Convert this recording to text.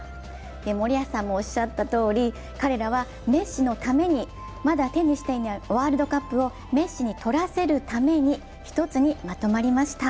森保さんもおっしゃったとおり彼らはメッシのために、まだ手にしていないワールドカップをメッシに取らせるために一つにまとまりました。